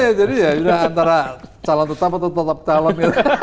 ya makanya jadi ya antara calon tetap atau tetap calon